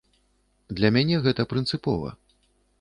Для мяне гэта прынцыпова.